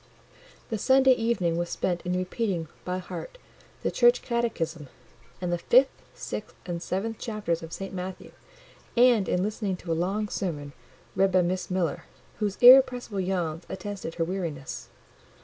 The Sunday evening was spent in repeating, by heart, the Church Catechism, and the fifth, sixth, and seventh chapters of St. Matthew; and in listening to a long sermon, read by Miss Miller, whose irrepressible yawns attested her weariness.